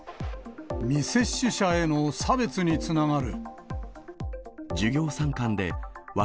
未接種者への差別につながる。